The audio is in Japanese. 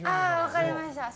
分かりました。